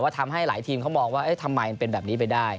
ทำให้หลายทีมเขามองว่าทำไมมันเป็นแบบนี้ไปได้